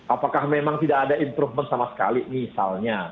apakah memang tidak ada improvement sama sekali misalnya